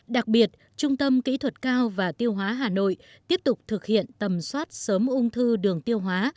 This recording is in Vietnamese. đặc biệt trung tâm kỹ thuật cao và tiêu hóa hà nội tiếp tục thực hiện tầm soát sớm ung thư đường tiêu hóa